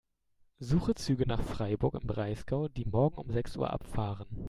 Suche Züge nach Freiburg im Breisgau, die morgen um sechs Uhr abfahren.